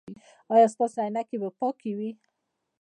ایا ستاسو عینکې به پاکې وي؟